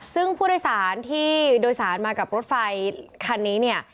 ซึ่งผู้โดยสารที่โดยสารมากับรถไฟคันนี้เนี่ย